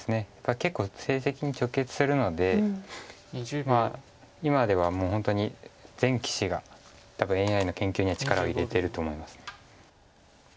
結構成績に直結するのでまあ今ではもう本当に全棋士が多分ＡＩの研究には力を入れてると思います。